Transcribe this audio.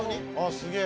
すげえ。